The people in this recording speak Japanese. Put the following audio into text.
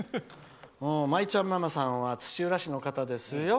まいちゃんママさんは土浦市の方ですよ。